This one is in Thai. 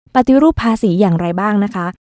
ปฏิรูปภาษีอย่างไรบ้างนะคะ